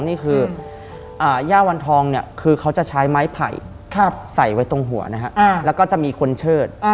ก็คือยาวล้องคนจะใช้ไม้ไผล่ใส่ไว้ตรงหัวจะมีคนเชิด